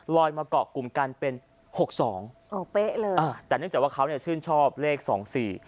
มาเกาะกลุ่มกันเป็นหกสองอ๋อเป๊ะเลยอ่าแต่เนื่องจากว่าเขาเนี่ยชื่นชอบเลขสองสี่